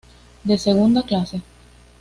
De Segunda clase.